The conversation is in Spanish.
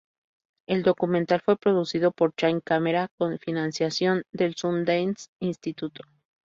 El documental fue producido por Chain Camera con financiación del Sundance Institute.